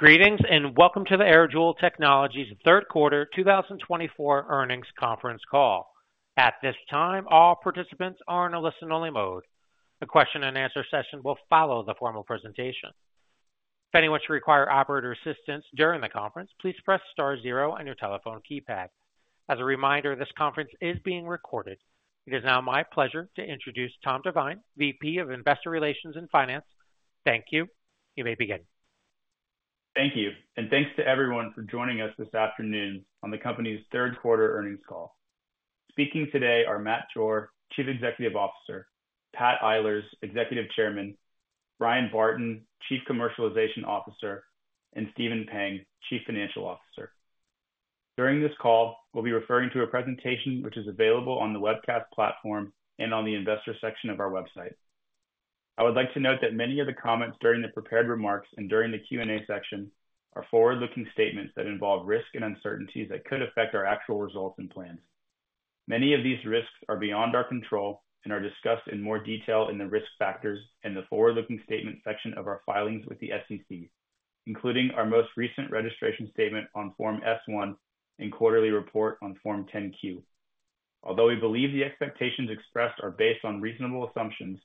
Greetings and welcome to the AirJoule Technologies Q3 2024 earnings conference call. At this time, all participants are in a listen-only mode. The question-and-answer session will follow the formal presentation. If anyone should require operator assistance during the conference, please press star zero on your telephone keypad. As a reminder, this conference is being recorded. It is now my pleasure to introduce Tom Divine, VP of Investor Relations and Finance. Thank you. You may begin. Thank you, and thanks to everyone for joining us this afternoon on the company's Q3 earnings call. Speaking today are Matt Jore, Chief Executive Officer, Pat Eilers, Executive Chairman, Bryan Barton, Chief Commercialization Officer, and Stephen Pang, Chief Financial Officer. During this call, we'll be referring to a presentation which is available on the webcast platform and on the investor section of our website. I would like to note that many of the comments during the prepared remarks and during the Q&A section are forward-looking statements that involve risk and uncertainties that could affect our actual results and plans. Many of these risks are beyond our control and are discussed in more detail in the risk factors and the forward-looking statement section of our filings with the SEC, including our most recent registration statement on Form S-1 and quarterly report on Form 10-Q. Although we believe the expectations expressed are based on reasonable assumptions,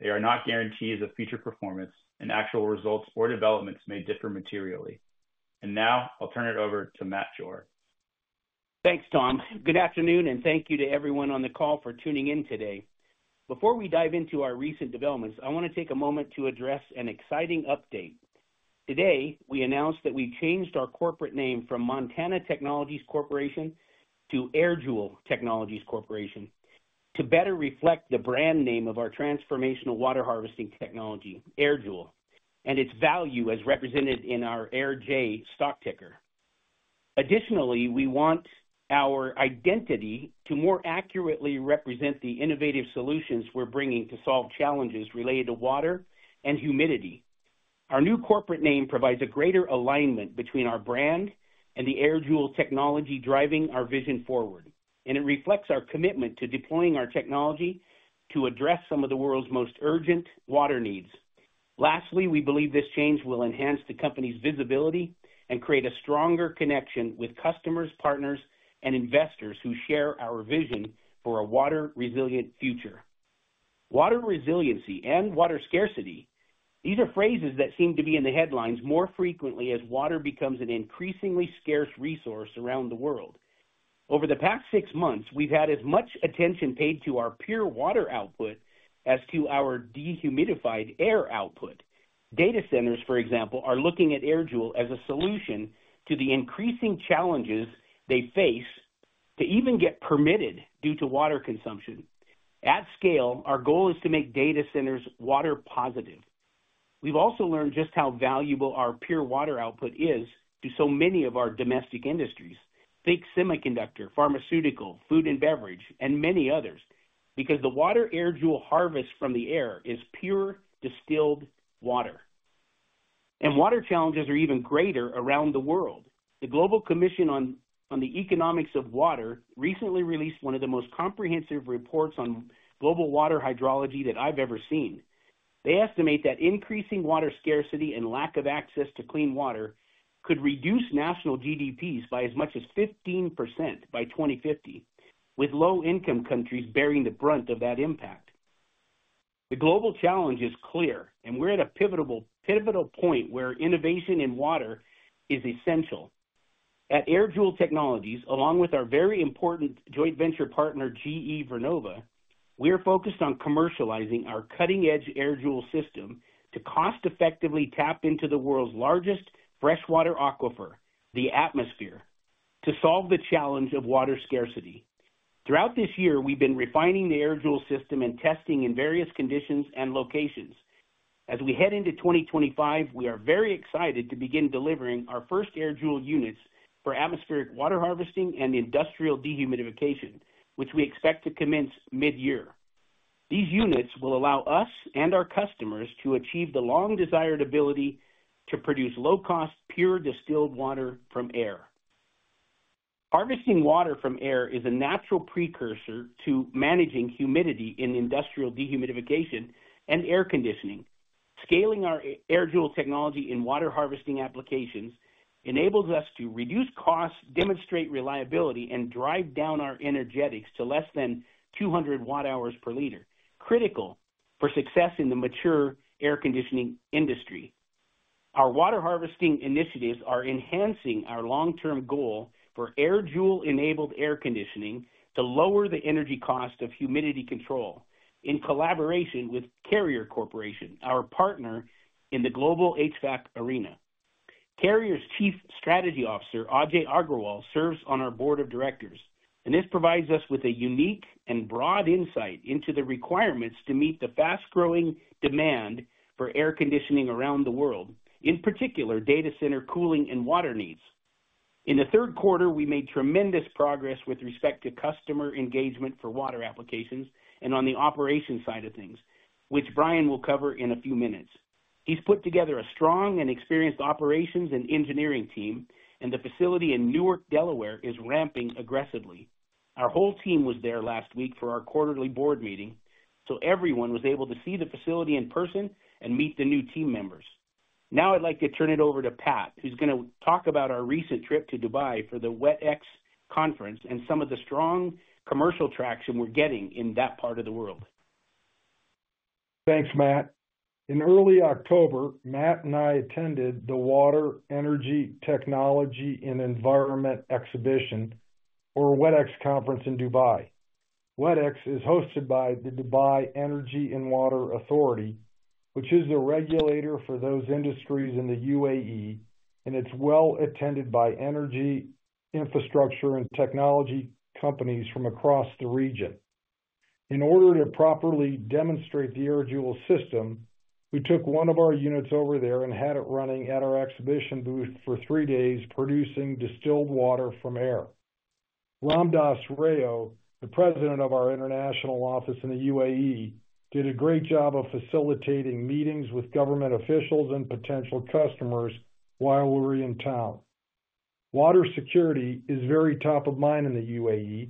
they are not guarantees of future performance, and actual results or developments may differ materially. And now, I'll turn it over to Matt Jore. Thanks, Tom. Good afternoon, and thank you to everyone on the call for tuning in today. Before we dive into our recent developments, I want to take a moment to address an exciting update. Today, we announced that we changed our corporate name from Montana Technologies Corporation to AirJoule Technologies Corporation to better reflect the brand name of our transformational water harvesting technology, AirJoule, and its value as represented in our AirJoule stock ticker. Additionally, we want our identity to more accurately represent the innovative solutions we're bringing to solve challenges related to water and humidity. Our new corporate name provides a greater alignment between our brand and the AirJoule technology driving our vision forward, and it reflects our commitment to deploying our technology to address some of the world's most urgent water needs. Lastly, we believe this change will enhance the company's visibility and create a stronger connection with customers, partners, and investors who share our vision for a water-resilient future. Water resiliency and water scarcity, these are phrases that seem to be in the headlines more frequently as water becomes an increasingly scarce resource around the world. Over the past six months, we've had as much attention paid to our pure water output as to our dehumidified air output. Data centers, for example, are looking at AirJoule as a solution to the increasing challenges they face to even get permitted due to water consumption. At scale, our goal is to make data centers water-positive. We've also learned just how valuable our pure water output is to so many of our domestic industries: think semiconductor, pharmaceutical, food and beverage, and many others, because the water AirJoule harvests from the air is pure distilled water, and water challenges are even greater around the world. The Global Commission on the Economics of Water recently released one of the most comprehensive reports on global water hydrology that I've ever seen. They estimate that increasing water scarcity and lack of access to clean water could reduce national GDPs by as much as 15% by 2050, with low-income countries bearing the brunt of that impact. The global challenge is clear, and we're at a pivotal point where innovation in water is essential. At AirJoule Technologies, along with our very important joint venture partner GE Vernova, we are focused on commercializing our cutting-edge AirJoule system to cost-effectively tap into the world's largest freshwater aquifer, the atmosphere, to solve the challenge of water scarcity. Throughout this year, we've been refining the AirJoule system and testing in various conditions and locations. As we head into 2025, we are very excited to begin delivering our first AirJoule units for atmospheric water harvesting and industrial dehumidification, which we expect to commence mid-year. These units will allow us and our customers to achieve the long-desired ability to produce low-cost, pure distilled water from air. Harvesting water from air is a natural precursor to managing humidity in industrial dehumidification and air conditioning. Scaling our AirJoule technology in water harvesting applications enables us to reduce costs, demonstrate reliability, and drive down our energetics to less than 200 watt-hours per liter, critical for success in the mature air conditioning industry. Our water harvesting initiatives are enhancing our long-term goal for AirJoule-enabled air conditioning to lower the energy cost of humidity control in collaboration with Carrier Corporation, our partner in the global HVAC arena. Carrier's Chief Strategy Officer, Ajay Agrawal, serves on our board of directors, and this provides us with a unique and broad insight into the requirements to meet the fast-growing demand for air conditioning around the world, in particular, data center cooling and water needs. In the Q3, we made tremendous progress with respect to customer engagement for water applications and on the operations side of things, which Bryan will cover in a few minutes. He's put together a strong and experienced operations and engineering team, and the facility in Newark, Delaware, is ramping aggressively. Our whole team was there last week for our quarterly board meeting, so everyone was able to see the facility in person and meet the new team members. Now, I'd like to turn it over to Pat, who's going to talk about our recent trip to Dubai for the WETEX conference and some of the strong commercial traction we're getting in that part of the world. Thanks, Matt. In early October, Matt and I attended the Water Energy Technology and Environment Exhibition, or WETEX conference, in Dubai. WETEX is hosted by the Dubai Energy and Water Authority, which is the regulator for those industries in the UAE, and it's well attended by energy, infrastructure, and technology companies from across the region. In order to properly demonstrate the AirJoule system, we took one of our units over there and had it running at our exhibition booth for three days, producing distilled water from air. Ramdas Rao, the president of our international office in the UAE, did a great job of facilitating meetings with government officials and potential customers while we were in town. Water security is very top of mind in the UAE,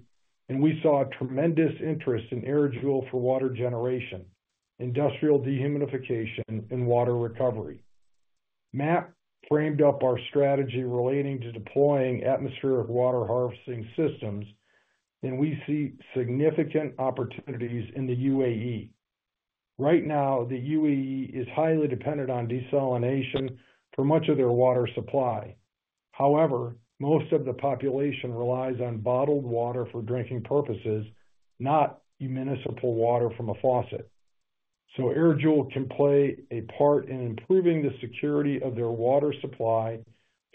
and we saw tremendous interest in AirJoule for water generation, industrial dehumidification, and water recovery. Matt framed up our strategy relating to deploying atmospheric water harvesting systems, and we see significant opportunities in the UAE. Right now, the UAE is highly dependent on desalination for much of their water supply. However, most of the population relies on bottled water for drinking purposes, not municipal water from a faucet. So AirJoule can play a part in improving the security of their water supply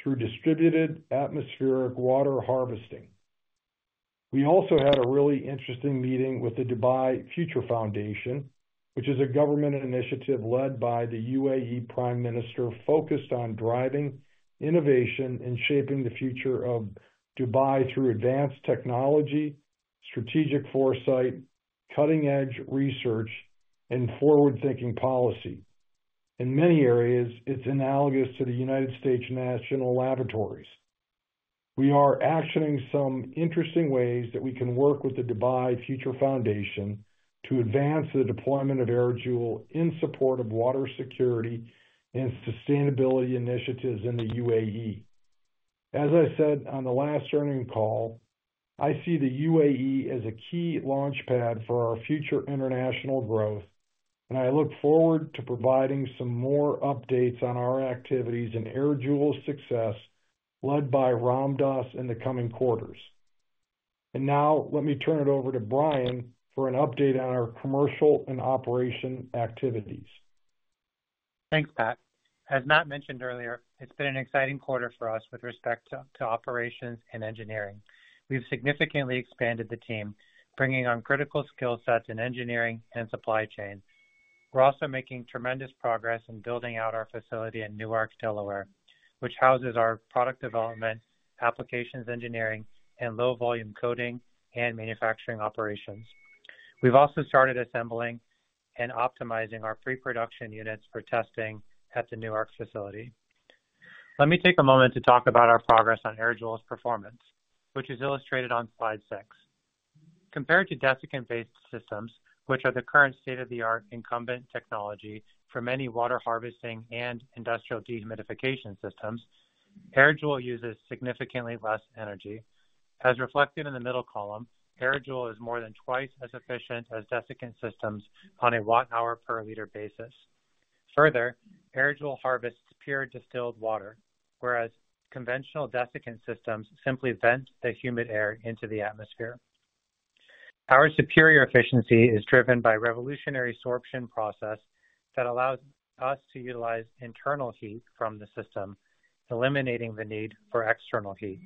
through distributed atmospheric water harvesting. We also had a really interesting meeting with the Dubai Future Foundation, which is a government initiative led by the UAE Prime Minister focused on driving innovation and shaping the future of Dubai through advanced technology, strategic foresight, cutting-edge research, and forward-thinking policy. In many areas, it's analogous to the United States National Laboratories. We are actioning some interesting ways that we can work with the Dubai Future Foundation to advance the deployment of AirJoule in support of water security and sustainability initiatives in the UAE. As I said on the last earnings call, I see the UAE as a key launchpad for our future international growth, and I look forward to providing some more updates on our activities and AirJoule's success led by Ramdas in the coming quarters. And now, let me turn it over to Brian for an update on our commercial and operational activities. Thanks, Pat. As Matt mentioned earlier, it's been an exciting quarter for us with respect to operations and engineering. We've significantly expanded the team, bringing on critical skill sets in engineering and supply chain. We're also making tremendous progress in building out our facility in Newark, Delaware, which houses our product development, applications engineering, and low-volume coating and manufacturing operations. We've also started assembling and optimizing our pre-production units for testing at the Newark facility. Let me take a moment to talk about our progress on AirJoule's performance, which is illustrated on slide six. Compared to desiccant-based systems, which are the current state-of-the-art incumbent technology for many water harvesting and industrial dehumidification systems, AirJoule uses significantly less energy. As reflected in the middle column, AirJoule is more than twice as efficient as desiccant systems on a watt-hour per liter basis. Further, AirJoule harvests pure distilled water, whereas conventional desiccant systems simply vent the humid air into the atmosphere. Our superior efficiency is driven by a revolutionary sorption process that allows us to utilize internal heat from the system, eliminating the need for external heat.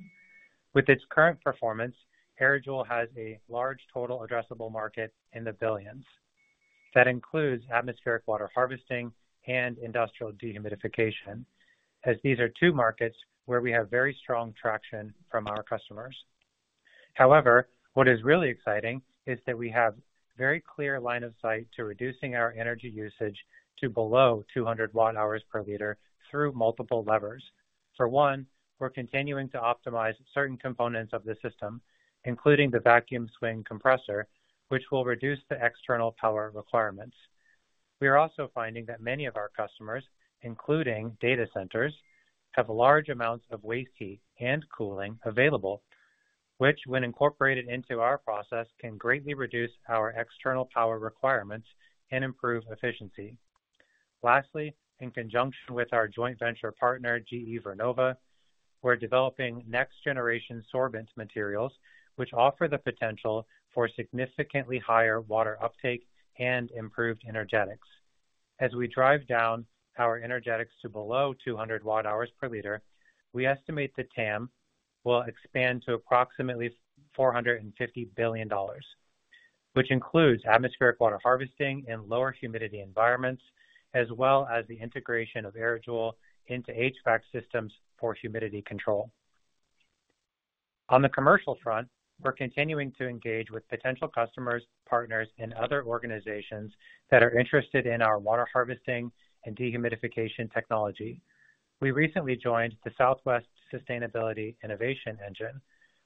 With its current performance, AirJoule has a large total addressable market in the billions. That includes atmospheric water harvesting and industrial dehumidification, as these are two markets where we have very strong traction from our customers. However, what is really exciting is that we have a very clear line of sight to reducing our energy usage to below 200 watt-hours per liter through multiple levers. For one, we're continuing to optimize certain components of the system, including the vacuum swing compressor, which will reduce the external power requirements. We are also finding that many of our customers, including data centers, have large amounts of waste heat and cooling available, which, when incorporated into our process, can greatly reduce our external power requirements and improve efficiency. Lastly, in conjunction with our joint venture partner, GE Vernova, we're developing next-generation sorbent materials, which offer the potential for significantly higher water uptake and improved energetics. As we drive down our energetics to below 200 watt-hours per liter, we estimate the TAM will expand to approximately $450 billion, which includes atmospheric water harvesting in lower humidity environments, as well as the integration of AirJoule into HVAC systems for humidity control. On the commercial front, we're continuing to engage with potential customers, partners, and other organizations that are interested in our water harvesting and dehumidification technology. We recently joined the Southwest Sustainability Innovation Engine,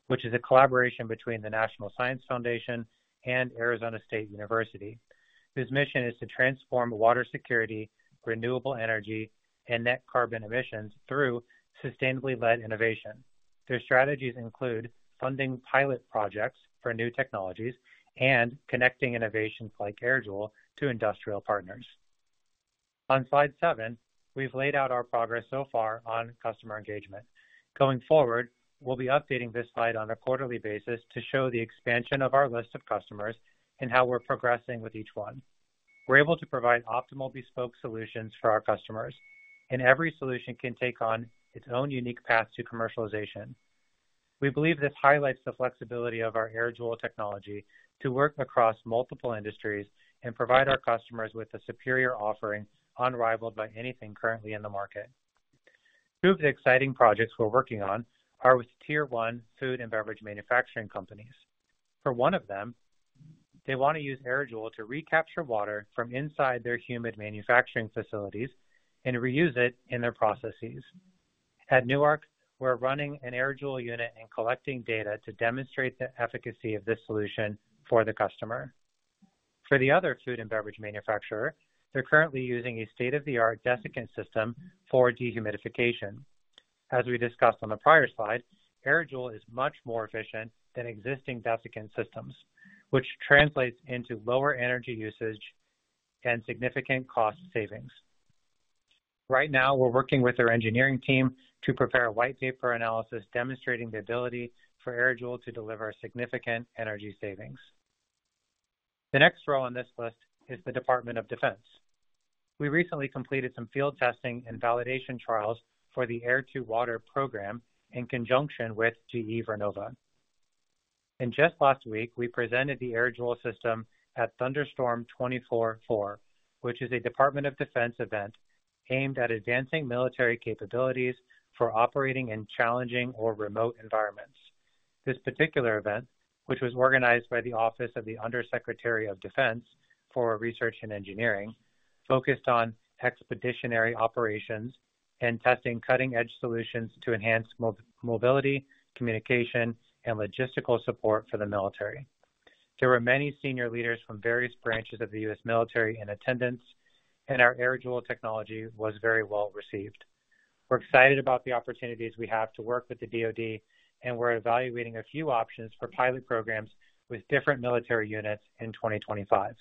which is a collaboration between the National Science Foundation and Arizona State University, whose mission is to transform water security, renewable energy, and net carbon emissions through sustainably-led innovation. Their strategies include funding pilot projects for new technologies and connecting innovations like AirJoule to industrial partners. On slide seven, we've laid out our progress so far on customer engagement. Going forward, we'll be updating this slide on a quarterly basis to show the expansion of our list of customers and how we're progressing with each one. We're able to provide optimal bespoke solutions for our customers, and every solution can take on its own unique path to commercialization. We believe this highlights the flexibility of our AirJoule technology to work across multiple industries and provide our customers with a superior offering unrivaled by anything currently in the market. Two of the exciting projects we're working on are with tier-one food and beverage manufacturing companies. For one of them, they want to use AirJoule to recapture water from inside their humid manufacturing facilities and reuse it in their processes. At Newark, we're running an AirJoule unit and collecting data to demonstrate the efficacy of this solution for the customer. For the other food and beverage manufacturer, they're currently using a state-of-the-art desiccant system for dehumidification. As we discussed on the prior slide, AirJoule is much more efficient than existing desiccant systems, which translates into lower energy usage and significant cost savings. Right now, we're working with their engineering team to prepare a white paper analysis demonstrating the ability for AirJoule to deliver significant energy savings. The next row on this list is the Department of Defense. We recently completed some field testing and validation trials for the Air-to-Water program in conjunction with GE Vernova, and just last week, we presented the AirJoule system at Thunderstorm 24-4, which is a Department of Defense event aimed at advancing military capabilities for operating in challenging or remote environments. This particular event, which was organized by the Office of the Under Secretary of Defense for Research and Engineering, focused on expeditionary operations and testing cutting-edge solutions to enhance mobility, communication, and logistical support for the military. There were many senior leaders from various branches of the U.S. military in attendance, and our AirJoule technology was very well received. We're excited about the opportunities we have to work with the DOD, and we're evaluating a few options for pilot programs with different military units in 2025.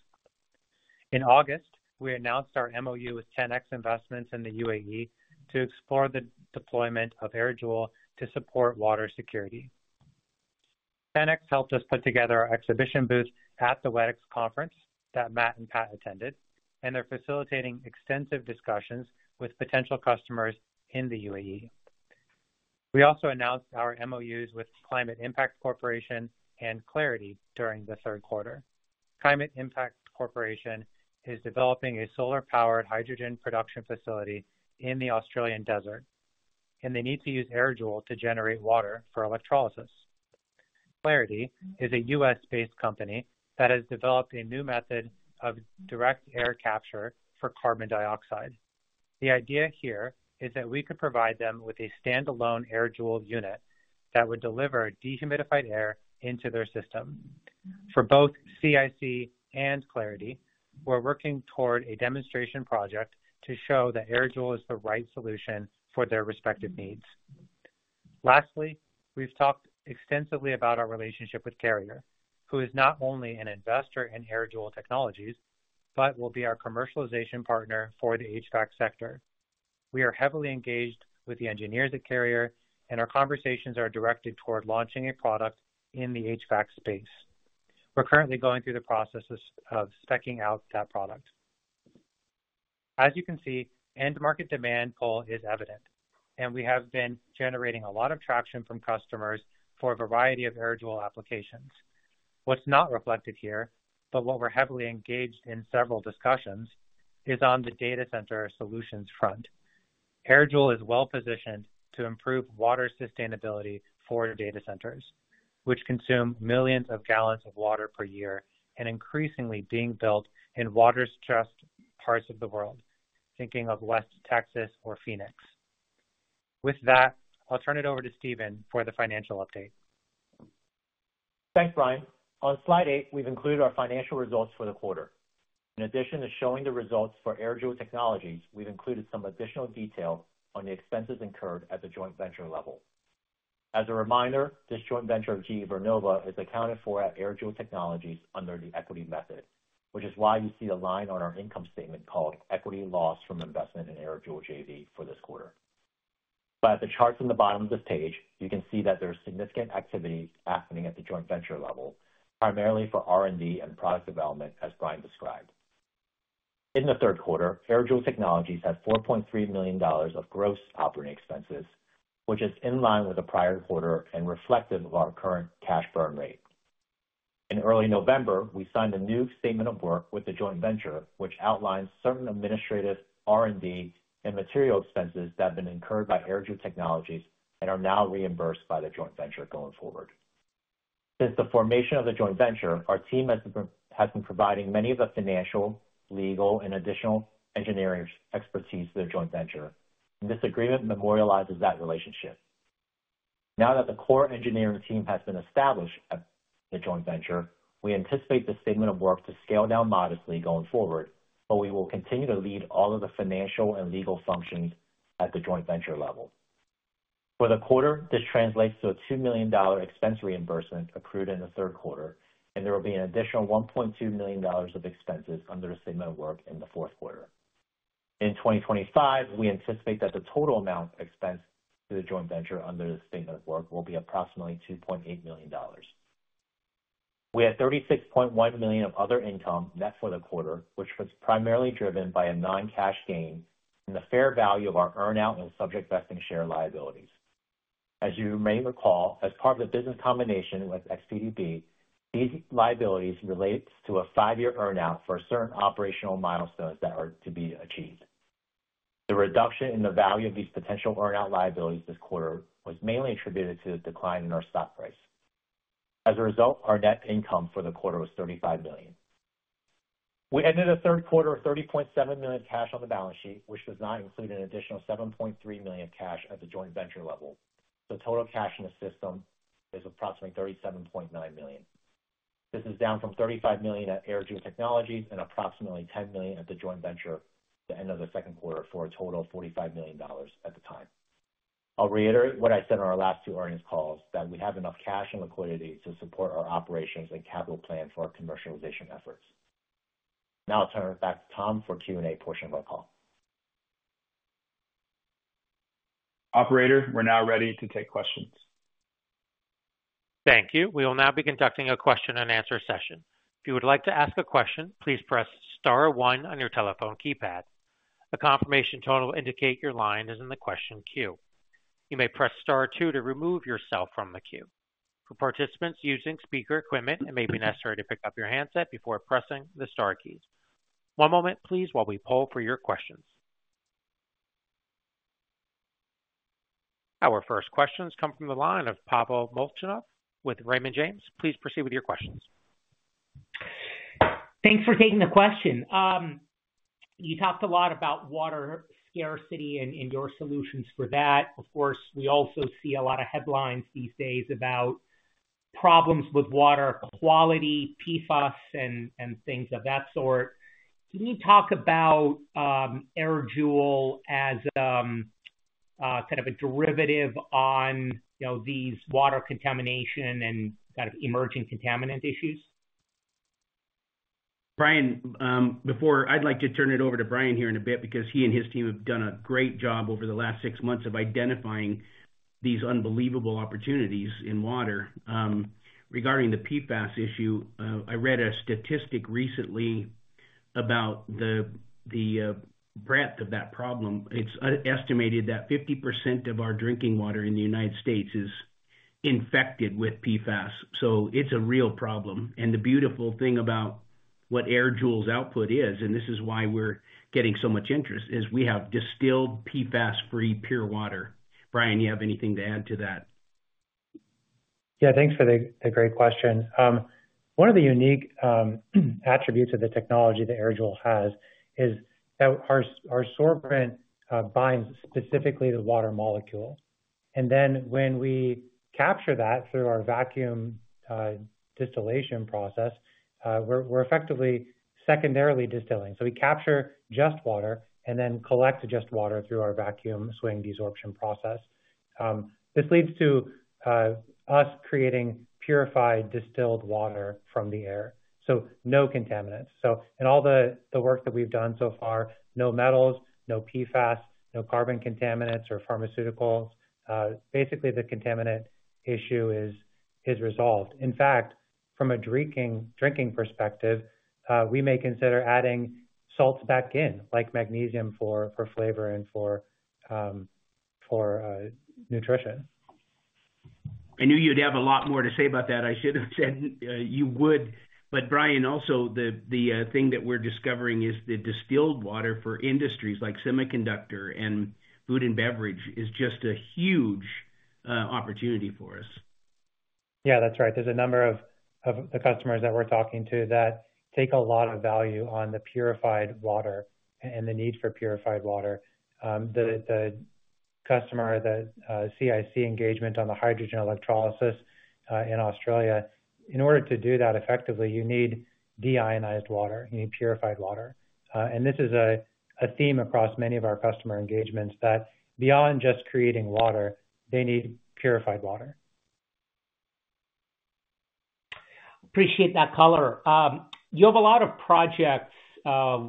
In August, we announced our MOU with TenX Investments in the UAE to explore the deployment of AirJoule to support water security. TenX helped us put together our exhibition booth at the WETEX conference that Matt and Pat attended, and they're facilitating extensive discussions with potential customers in the UAE. We also announced our MOUs with Climate Impact Corporation and Clairity during the Q3. Climate Impact Corporation is developing a solar-powered hydrogen production facility in the Australian desert, and they need to use AirJoule to generate water for electrolysis. Clairity is a U.S.-based company that has developed a new method of direct air capture for carbon dioxide. The idea here is that we could provide them with a standalone AirJoule unit that would deliver dehumidified air into their system. For both CIC and Clairity, we're working toward a demonstration project to show that AirJoule is the right solution for their respective needs. Lastly, we've talked extensively about our relationship with Carrier, who is not only an investor in AirJoule Technologies but will be our commercialization partner for the HVAC sector. We are heavily engaged with the engineers at Carrier, and our conversations are directed toward launching a product in the HVAC space. We're currently going through the process of speccing out that product. As you can see, end-market demand pull is evident, and we have been generating a lot of traction from customers for a variety of AirJoule applications. What's not reflected here, but what we're heavily engaged in several discussions, is on the data center solutions front. AirJoule is well positioned to improve water sustainability for data centers, which consume millions of gallons of water per year and increasingly being built in water-stressed parts of the world, thinking of West Texas or Phoenix. With that, I'll turn it over to Stephen for the financial update. Thanks, Brian. On slide eight, we've included our financial results for the quarter. In addition to showing the results for AirJoule Technologies, we've included some additional detail on the expenses incurred at the joint venture level. As a reminder, this joint venture of GE Vernova is accounted for at AirJoule Technologies under the equity method, which is why you see a line on our income statement called equity loss from investment in AirJoule JV for this quarter. But at the charts on the bottom of this page, you can see that there are significant activities happening at the joint venture level, primarily for R&D and product development, as Brian described. In the Q3, AirJoule Technologies had $4.3 million of gross operating expenses, which is in line with the prior quarter and reflective of our current cash burn rate. In early November, we signed a new statement of work with the joint venture, which outlines certain administrative R&D and material expenses that have been incurred by AirJoule Technologies and are now reimbursed by the joint venture going forward. Since the formation of the joint venture, our team has been providing many of the financial, legal, and additional engineering expertise to the joint venture, and this agreement memorializes that relationship. Now that the core engineering team has been established at the joint venture, we anticipate the statement of work to scale down modestly going forward, but we will continue to lead all of the financial and legal functions at the joint venture level. For the quarter, this translates to a $2 million expense reimbursement accrued in the Q3, and there will be an additional $1.2 million of expenses under the statement of work in the Q4. In 2025, we anticipate that the total amount of expense to the joint venture under the statement of work will be approximately $2.8 million. We had $36.1 million of other income net for the quarter, which was primarily driven by a non-cash gain in the fair value of our earn-out and subject vesting share liabilities. As you may recall, as part of the business combination with XPDB, these liabilities relate to a five-year earn-out for certain operational milestones that are to be achieved. The reduction in the value of these potential earn-out liabilities this quarter was mainly attributed to the decline in our stock price. As a result, our net income for the quarter was $35 million. We ended the Q3 with $30.7 million cash on the balance sheet, which does not include an additional $7.3 million cash at the joint venture level. The total cash in the system is approximately $37.9 million. This is down from $35 million at AirJoule Technologies and approximately $10 million at the joint venture at the end of the Q2 for a total of $45 million at the time. I'll reiterate what I said on our last two earnings calls, that we have enough cash and liquidity to support our operations and capital plan for our commercialization efforts. Now I'll turn it back to Tom for the Q&A portion of our call. Operator, we're now ready to take questions. Thank you. We will now be conducting a question-and-answer session. If you would like to ask a question, please press Star 1 on your telephone keypad. A confirmation tone will indicate your line is in the question queue. You may press Star 2 to remove yourself from the queue. For participants using speaker equipment, it may be necessary to pick up your handset before pressing the Star keys. One moment, please, while we poll for your questions. Our first questions come from the line of Pavel Molchanov with Raymond James. Please proceed with your questions. Thanks for taking the question. You talked a lot about water scarcity and your solutions for that. Of course, we also see a lot of headlines these days about problems with water quality, PFAS, and things of that sort. Can you talk about AirJoule as kind of a derivative on these water contamination and kind of emerging contaminant issues? Bryan, I'd like to turn it over to Bryan here in a bit because he and his team have done a great job over the last six months of identifying these unbelievable opportunities in water. Regarding the PFAS issue, I read a statistic recently about the breadth of that problem. It's estimated that 50% of our drinking water in the U.S. is infected with PFAS. So it's a real problem. And the beautiful thing about what AirJoule's output is, and this is why we're getting so much interest, is we have distilled PFAS-free pure water. Bryan, you have anything to add to that? Yeah, thanks for the great question. One of the unique attributes of the technology that AirJoule has is that our sorbent binds specifically to the water molecule. And then when we capture that through our vacuum distillation process, we're effectively secondarily distilling. So we capture just water and then collect just water through our vacuum swing desorption process. This leads to us creating purified distilled water from the air, so no contaminants. So in all the work that we've done so far, no metals, no PFAS, no carbon contaminants or pharmaceuticals. Basically, the contaminant issue is resolved. In fact, from a drinking perspective, we may consider adding salts back in, like magnesium for flavor and for nutrition. I knew you'd have a lot more to say about that. I should have said you would. But Brian, also, the thing that we're discovering is the distilled water for industries like semiconductor and food and beverage is just a huge opportunity for us. Yeah, that's right. There's a number of the customers that we're talking to that take a lot of value on the purified water and the need for purified water. The customer, the CIC engagement on the hydrogen electrolysis in Australia, in order to do that effectively, you need deionized water. You need purified water, and this is a theme across many of our customer engagements that beyond just creating water, they need purified water. Appreciate that color. You have a lot of projects, I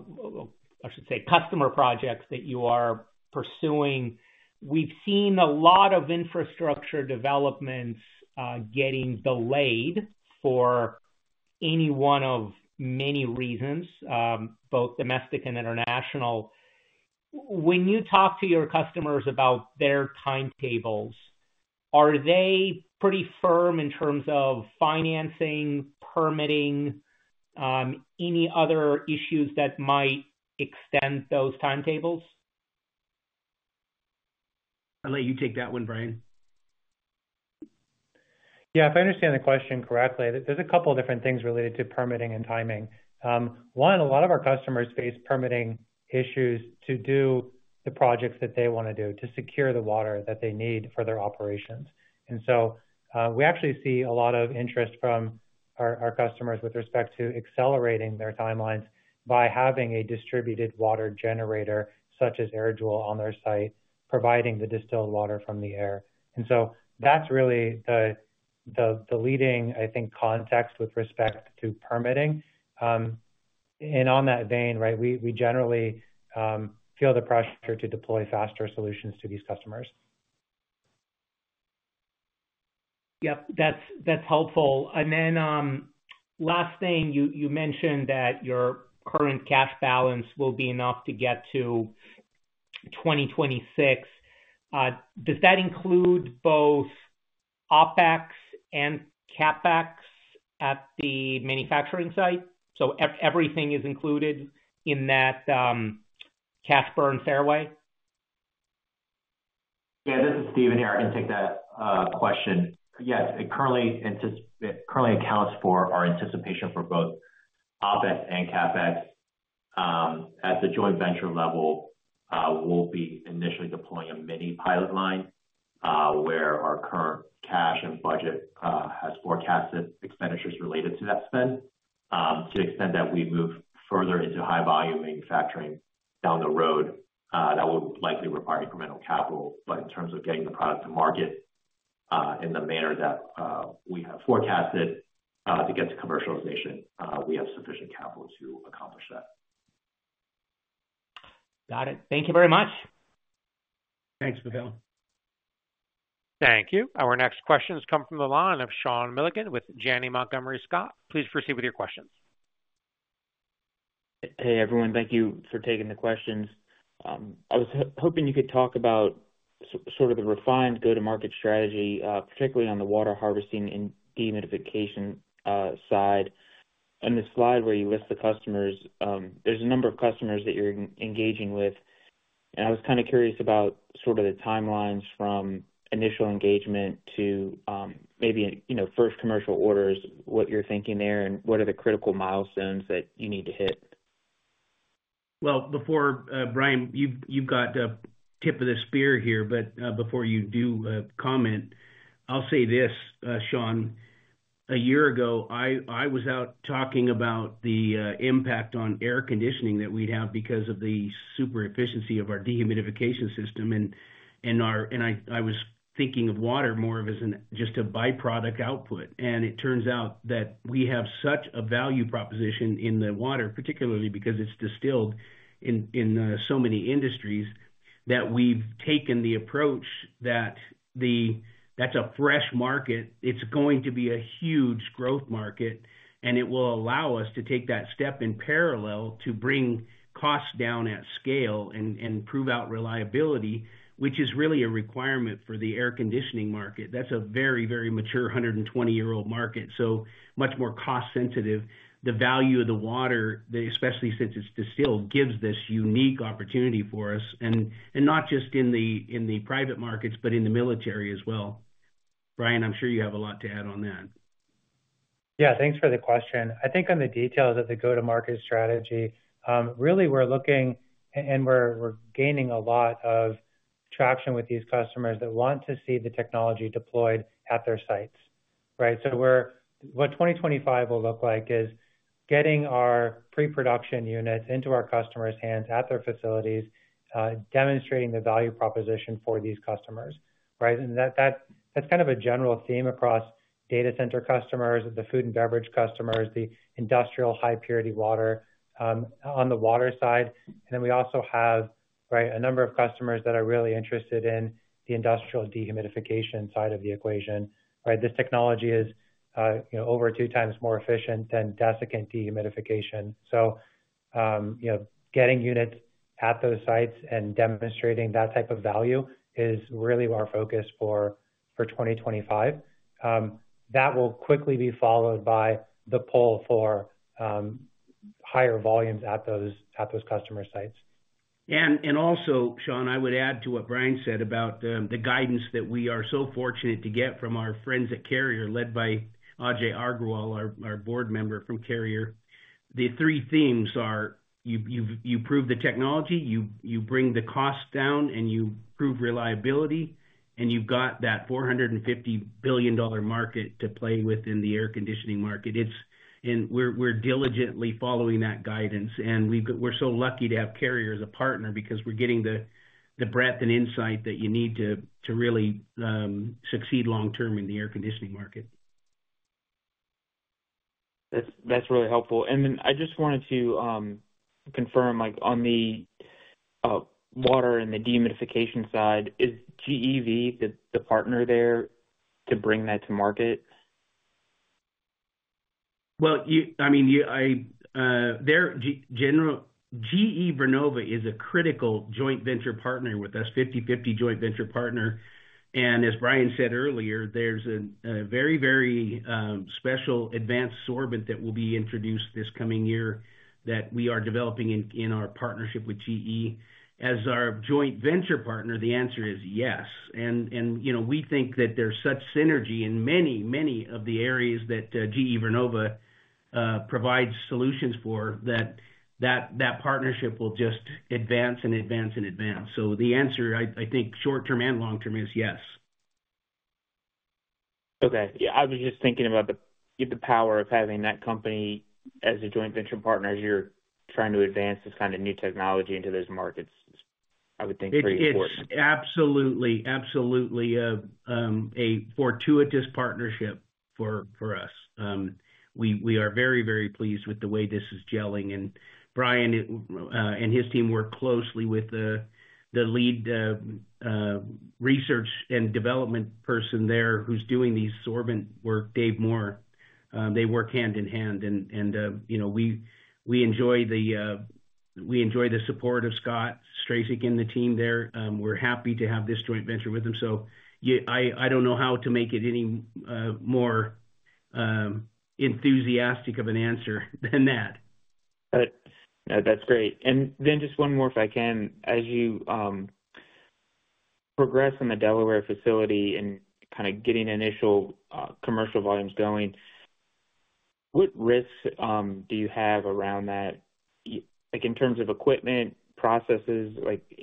should say customer projects that you are pursuing. We've seen a lot of infrastructure developments getting delayed for any one of many reasons, both domestic and international. When you talk to your customers about their timetables, are they pretty firm in terms of financing, permitting, any other issues that might extend those timetables? I'll let you take that one, Brian. Yeah, if I understand the question correctly, there's a couple of different things related to permitting and timing. One, a lot of our customers face permitting issues to do the projects that they want to do, to secure the water that they need for their operations. And so we actually see a lot of interest from our customers with respect to accelerating their timelines by having a distributed water generator such as AirJoule on their site, providing the distilled water from the air. And so that's really the leading, I think, context with respect to permitting. And on that vein, right, we generally feel the pressure to deploy faster solutions to these customers. Yep, that's helpful. And then last thing, you mentioned that your current cash balance will be enough to get to 2026. Does that include both OpEx and CapEx at the manufacturing site? So everything is included in that cash burn fairway? Yeah, this is Stephen here. I can take that question. Yes, it currently accounts for our anticipation for both OpEx and CapEx. At the joint venture level, we'll be initially deploying a mini pilot line where our current cash and budget has forecasted expenditures related to that spend. To the extent that we move further into high-volume manufacturing down the road, that will likely require incremental capital. But in terms of getting the product to market in the manner that we have forecasted to get to commercialization, we have sufficient capital to accomplish that. Got it. Thank you very much. Thanks, Pavel. Thank you. Our next questions come from the line of Sean Milligan with Janney Montgomery Scott. Please proceed with your questions. Hey, everyone. Thank you for taking the questions. I was hoping you could talk about sort of the refined go-to-market strategy, particularly on the water harvesting and dehumidification side. On the slide where you list the customers, there's a number of customers that you're engaging with. And I was kind of curious about sort of the timelines from initial engagement to maybe first commercial orders, what you're thinking there, and what are the critical milestones that you need to hit. Before Brian, you've got a tip of the spear here, but before you do comment, I'll say this, Sean. A year ago, I was out talking about the impact on air conditioning that we'd have because of the super efficiency of our dehumidification system. And I was thinking of water more of just a byproduct output. And it turns out that we have such a value proposition in the water, particularly because it's distilled in so many industries, that we've taken the approach that that's a fresh market. It's going to be a huge growth market, and it will allow us to take that step in parallel to bring costs down at scale and prove out reliability, which is really a requirement for the air conditioning market. That's a very, very mature 120-year-old market, so much more cost-sensitive. The value of the water, especially since it's distilled, gives this unique opportunity for us, and not just in the private markets, but in the military as well. Brian, I'm sure you have a lot to add on that. Yeah, thanks for the question. I think on the details of the go-to-market strategy, really we're looking and we're gaining a lot of traction with these customers that want to see the technology deployed at their sites, right? So what 2025 will look like is getting our pre-production units into our customers' hands at their facilities, demonstrating the value proposition for these customers, right? And that's kind of a general theme across data center customers, the food and beverage customers, the industrial high-purity water on the water side. And then we also have a number of customers that are really interested in the industrial dehumidification side of the equation, right? This technology is over two times more efficient than desiccant dehumidification. So getting units at those sites and demonstrating that type of value is really our focus for 2025. That will quickly be followed by the pull for higher volumes at those customer sites. And also, Sean, I would add to what Brian said about the guidance that we are so fortunate to get from our friends at Carrier, led by Ajay Agrawal, our board member from Carrier. The three themes are you prove the technology, you bring the cost down, and you prove reliability, and you've got that $450 billion market to play with in the air conditioning market. And we're diligently following that guidance. And we're so lucky to have Carrier as a partner because we're getting the breadth and insight that you need to really succeed long-term in the air conditioning market. That's really helpful. And then I just wanted to confirm on the water and the dehumidification side, is GEV the partner there to bring that to market? Well, I mean, GE Vernova is a critical joint venture partner with us, 50/50 joint venture partner. And as Brian said earlier, there's a very, very special advanced sorbent that will be introduced this coming year that we are developing in our partnership with GE. As our joint venture partner, the answer is yes. And we think that there's such synergy in many, many of the areas that GE Vernova provides solutions for that that partnership will just advance and advance and advance. So the answer, I think, short-term and long-term is yes. Okay. Yeah, I was just thinking about the power of having that company as a joint venture partner as you're trying to advance this kind of new technology into those markets. I would think pretty important. It's absolutely, absolutely a fortuitous partnership for us. We are very, very pleased with the way this is gelling. And Brian and his team work closely with the lead research and development person there who's doing these sorbent work, Dave Moore. They work hand in hand. And we enjoy the support of Scott Strazik and the team there. We're happy to have this joint venture with them. So I don't know how to make it any more enthusiastic of an answer than that. Got it. That's great. And then just one more, if I can. As you progress in the Delaware facility and kind of getting initial commercial volumes going, what risks do you have around that? In terms of equipment, processes,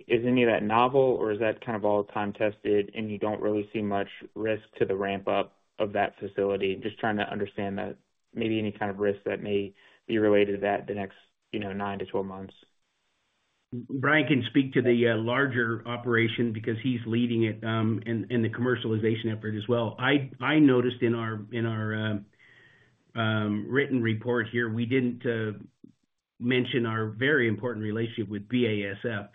is any of that novel, or is that kind of all time-tested, and you don't really see much risk to the ramp-up of that facility? Just trying to understand that, maybe any kind of risks that may be related to that, the next 9 to 12 months. Bryan can speak to the larger operation because he's leading it in the commercialization effort as well. I noticed in our written report here, we didn't mention our very important relationship with BASF.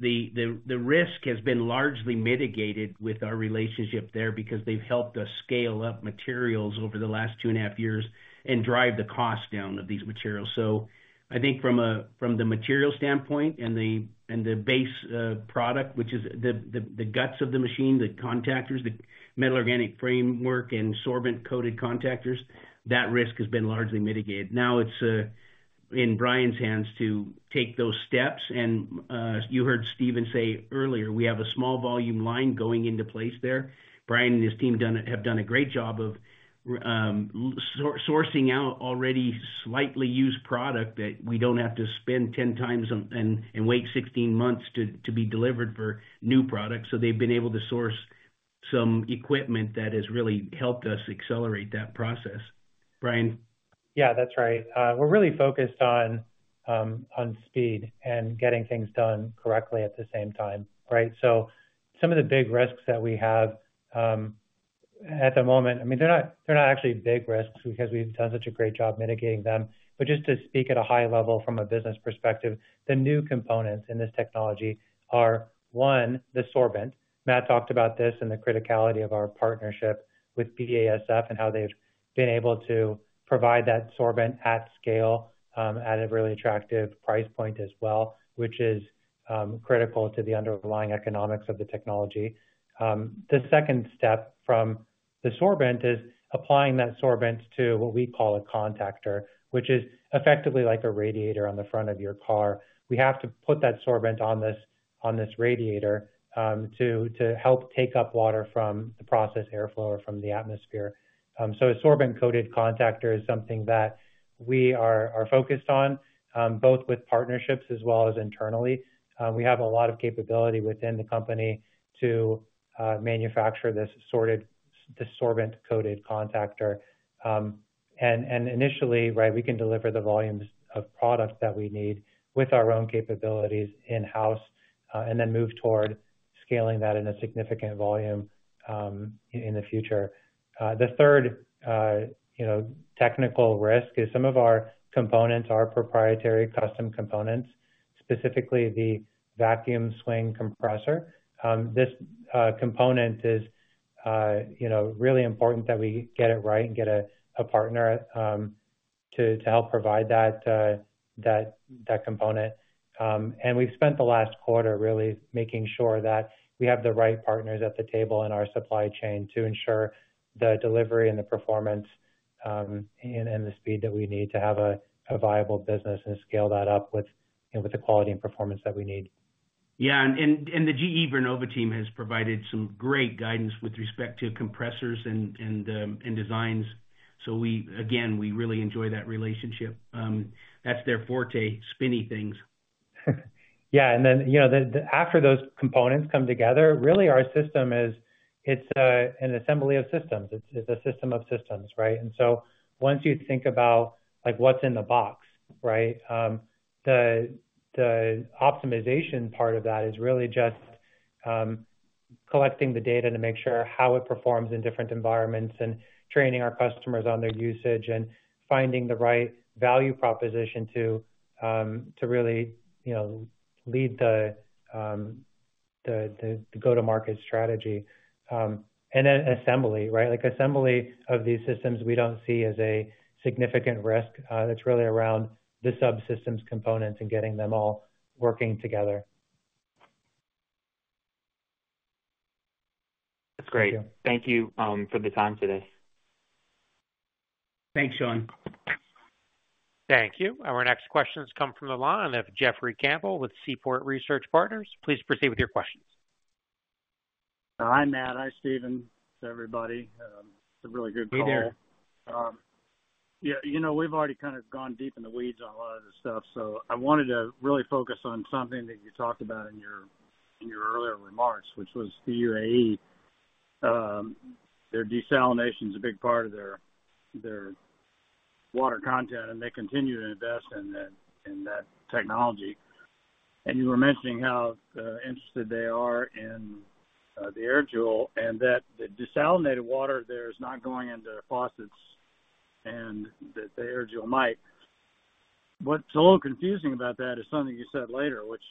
The risk has been largely mitigated with our relationship there because they've helped us scale up materials over the last two and a half years and drive the cost down of these materials. So I think from the material standpoint and the base product, which is the guts of the machine, the contactors, the metal-organic framework, and sorbent-coated contactors, that risk has been largely mitigated. Now it's in Bryan's hands to take those steps. And you heard Stephen say earlier, we have a small volume line going into place there. Brian and his team have done a great job of sourcing out already slightly used product that we don't have to spend 10 times and wait 16 months to be delivered for new products. So they've been able to source some equipment that has really helped us accelerate that process. Brian? Yeah, that's right. We're really focused on speed and getting things done correctly at the same time, right? So some of the big risks that we have at the moment, I mean, they're not actually big risks because we've done such a great job mitigating them. But just to speak at a high level from a business perspective, the new components in this technology are, one, the sorbent. Matt talked about this and the criticality of our partnership with BASF and how they've been able to provide that sorbent at scale at a really attractive price point as well, which is critical to the underlying economics of the technology. The second step from the sorbent is applying that sorbent to what we call a contactor, which is effectively like a radiator on the front of your car. We have to put that sorbent on this radiator to help take up water from the process airflow or from the atmosphere. So a sorbent-coated contactor is something that we are focused on, both with partnerships as well as internally. We have a lot of capability within the company to manufacture this sorbent-coated contactor. And initially, right, we can deliver the volumes of product that we need with our own capabilities in-house and then move toward scaling that in a significant volume in the future. The third technical risk is some of our components are proprietary custom components, specifically the vacuum swing compressor. This component is really important that we get it right and get a partner to help provide that component. We've spent the last quarter really making sure that we have the right partners at the table in our supply chain to ensure the delivery and the performance and the speed that we need to have a viable business and scale that up with the quality and performance that we need. Yeah. And the GE Vernova team has provided some great guidance with respect to compressors and designs. So again, we really enjoy that relationship. That's their forte, spinny things. Yeah. And then after those components come together, really our system is it's an assembly of systems. It's a system of systems, right? And so once you think about what's in the box, right, the optimization part of that is really just collecting the data to make sure how it performs in different environments and training our customers on their usage and finding the right value proposition to really lead the go-to-market strategy. And then assembly, right? Assembly of these systems we don't see as a significant risk. It's really around the subsystems components and getting them all working together. That's great. Thank you for the time today. Thanks, Sean. Thank you. Our next questions come from the line of Jeffrey Campbell with Seaport Research Partners. Please proceed with your questions. Hi, Matt. Hi, Stephen. Hi, everybody. It's a really good call. Hey there. Yeah. We've already kind of gone deep in the weeds on a lot of this stuff. So I wanted to really focus on something that you talked about in your earlier remarks, which was the UAE. Their desalination is a big part of their water content, and they continue to invest in that technology. And you were mentioning how interested they are in the AirJoule, and that the desalinated water there is not going into faucets and that the AirJoule might. What's a little confusing about that is something you said later, which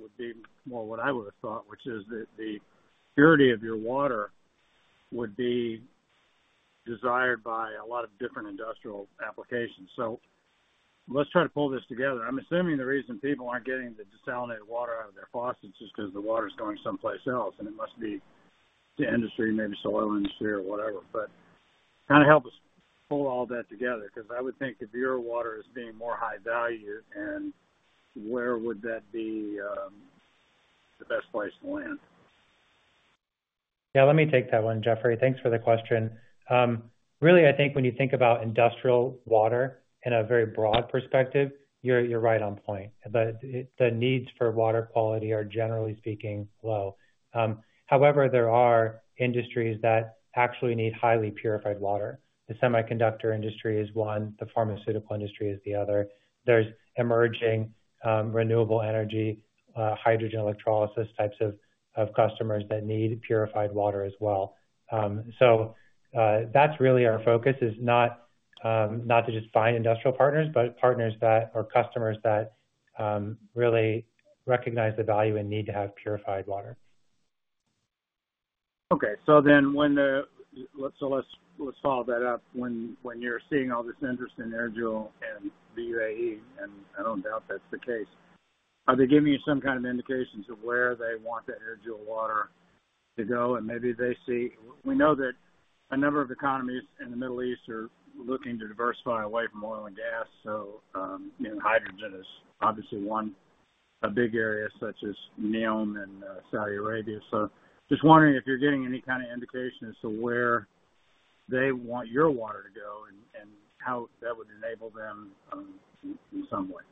would be more what I would have thought, which is that the purity of your water would be desired by a lot of different industrial applications. So let's try to pull this together. I'm assuming the reason people aren't getting the desalinated water out of their faucets is because the water is going someplace else, and it must be the industry, maybe soil industry or whatever. But kind of help us pull all that together because I would think if your water is being more high value, where would that be the best place to land? Yeah. Let me take that one, Jeffrey. Thanks for the question. Really, I think when you think about industrial water in a very broad perspective, you're right on point. The needs for water quality are, generally speaking, low. However, there are industries that actually need highly purified water. The semiconductor industry is one. The pharmaceutical industry is the other. There's emerging renewable energy, hydrogen electrolysis types of customers that need purified water as well. So that's really our focus is not to just find industrial partners, but partners that are customers that really recognize the value and need to have purified water. Okay. So then, let's follow that up. When you're seeing all this interest in AirJoule and the UAE, and I don't doubt that's the case, are they giving you some kind of indications of where they want the AirJoule water to go? And maybe they see, we know that a number of economies in the Middle East are looking to diversify away from oil and gas. So hydrogen is obviously one big area, such as Neom and Saudi Arabia. So just wondering if you're getting any kind of indication as to where they want your water to go and how that would enable them in some way.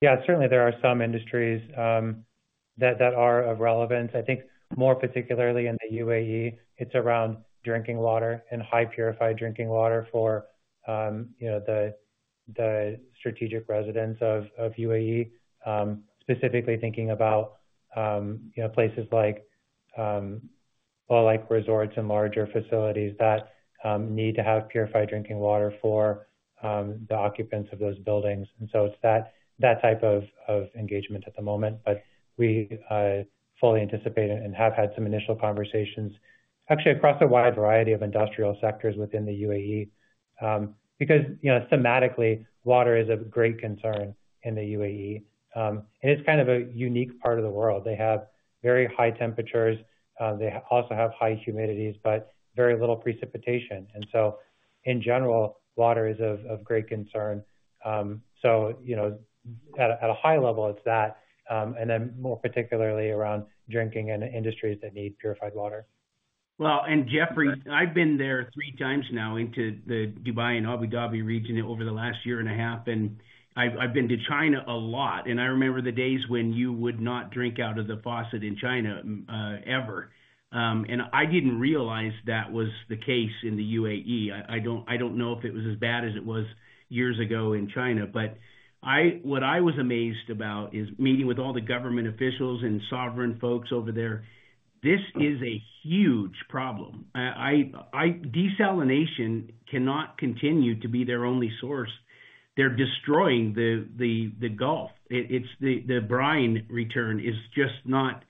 Yeah. Certainly, there are some industries that are of relevance. I think more particularly in the UAE, it's around drinking water and highly purified drinking water for the strategic residents of UAE, specifically thinking about places like resorts and larger facilities that need to have purified drinking water for the occupants of those buildings. And so it's that type of engagement at the moment. But we fully anticipate and have had some initial conversations, actually, across a wide variety of industrial sectors within the UAE because thematically, water is of great concern in the UAE. And it's kind of a unique part of the world. They have very high temperatures. They also have high humidities, but very little precipitation. And so in general, water is of great concern. So at a high level, it's that. And then more particularly around drinking and industries that need purified water. And Jeffrey, I've been there three times now into the Dubai and Abu Dhabi region over the last year and a half. I've been to China a lot. I remember the days when you would not drink out of the faucet in China ever. I didn't realize that was the case in the UAE. I don't know if it was as bad as it was years ago in China. But what I was amazed about is meeting with all the government officials and sovereign folks over there. This is a huge problem. Desalination cannot continue to be their only source. They're destroying the Gulf. The brine return is just not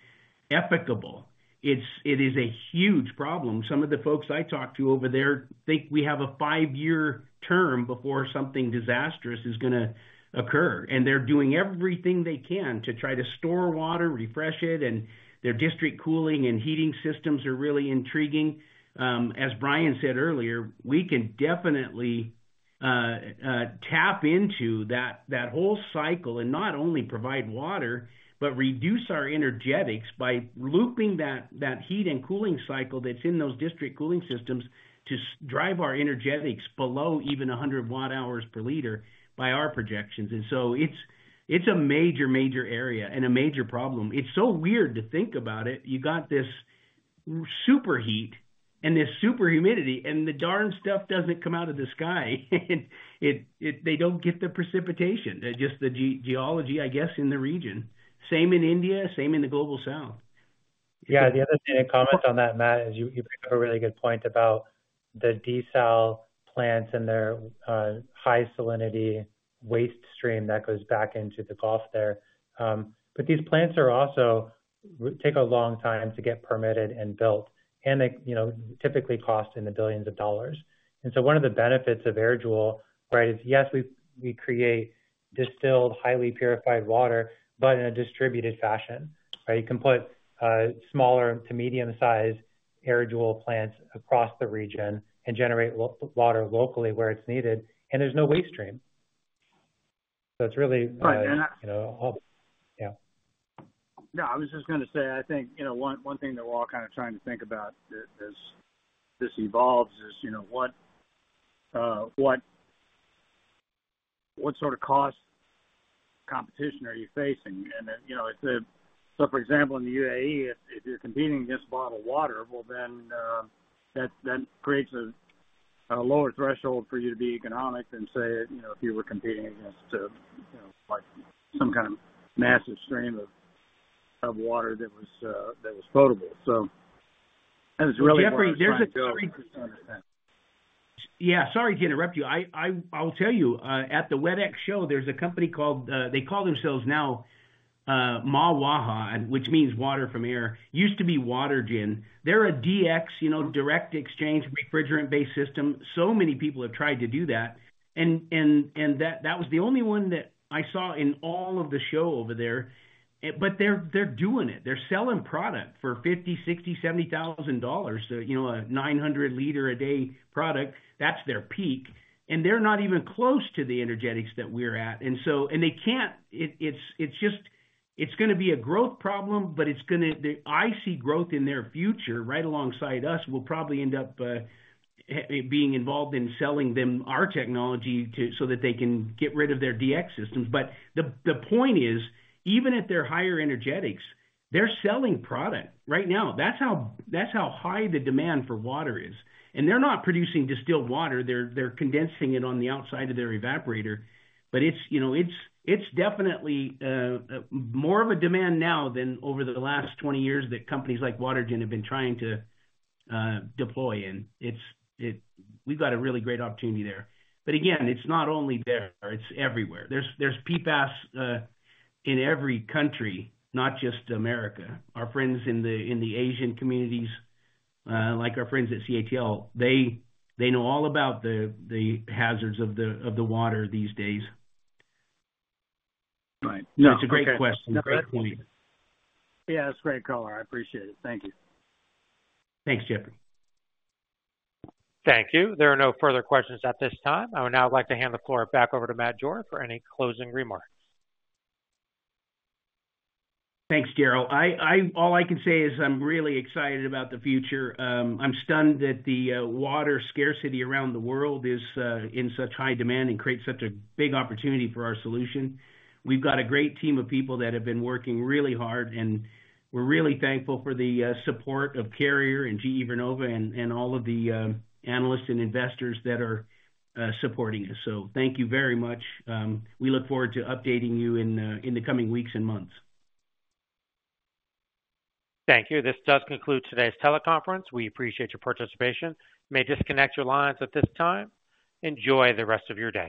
acceptable. It is a huge problem. Some of the folks I talked to over there think we have a five-year term before something disastrous is going to occur. They're doing everything they can to try to store water, refresh it. Their district cooling and heating systems are really intriguing. As Brian said earlier, we can definitely tap into that whole cycle and not only provide water, but reduce our energetics by looping that heat and cooling cycle that's in those district cooling systems to drive our energetics below even 100 watt-hours per liter by our projections. It's a major, major area and a major problem. It's so weird to think about it. You got this super heat and this super humidity, and the darn stuff doesn't come out of the sky. They don't get the precipitation. Just the geology, I guess, in the region. Same in India, same in the Global South. Yeah. The other thing to comment on that, Matt, is you bring up a really good point about the desal plants and their high salinity waste stream that goes back into the Gulf there. But these plants also take a long time to get permitted and built, and they typically cost in the billions of dollars. And so one of the benefits of AirJoule, right, is yes, we create distilled highly purified water, but in a distributed fashion. You can put smaller to medium-sized AirJoule plants across the region and generate water locally where it's needed, and there's no waste stream. So it's really. Right. And that's. Yeah. Yeah. I was just going to say, I think one thing that we're all kind of trying to think about as this evolves is what sort of cost competition are you facing? And so for example, in the UAE, if you're competing against bottled water, well, then that creates a lower threshold for you to be economic than, say, if you were competing against some kind of massive stream of water that was potable. So that's really hard to understand. Jeffrey, there's a very interesting thing. Yeah. Sorry to interrupt you. I will tell you, at the WETEX show, there's a company called they call themselves now Mawaha, which means water from air. Used to be Watergen. They're a DX, direct exchange refrigerant-based system. So many people have tried to do that. And that was the only one that I saw in all of the show over there. But they're doing it. They're selling product for $50,000, $60,000, $70,000, a 900-liter-a-day product. That's their peak. And they're not even close to the energetics that we're at. And they can't, it's going to be a growth problem, but I see growth in their future right alongside us. We'll probably end up being involved in selling them our technology so that they can get rid of their DX systems. But the point is, even at their higher energetics, they're selling product right now. That's how high the demand for water is. And they're not producing distilled water. They're condensing it on the outside of their evaporator. But it's definitely more of a demand now than over the last 20 years that companies like Watergen have been trying to deploy. And we've got a really great opportunity there. But again, it's not only there. It's everywhere. There's PFAS in every country, not just America. Our friends in the Asian communities, like our friends at CATL, they know all about the hazards of the water these days. Right. No. It's a great question. Great point. Yeah. It's great, Cole. I appreciate it. Thank you. Thanks, Jeffrey. Thank you. There are no further questions at this time. I would now like to hand the floor back over to Matt Jore for any closing remarks. Thanks, Gerald. All I can say is I'm really excited about the future. I'm stunned that the water scarcity around the world is in such high demand and creates such a big opportunity for our solution. We've got a great team of people that have been working really hard, and we're really thankful for the support of Carrier and GE Vernova and all of the analysts and investors that are supporting us. So thank you very much. We look forward to updating you in the coming weeks and months. Thank you. This does conclude today's teleconference. We appreciate your participation. May disconnect your lines at this time. Enjoy the rest of your day.